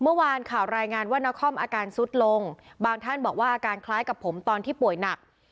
ซึ่งมีกรณีของคนวงการประเทิงอย่างอาต้อยเศรษฐานและนาคอม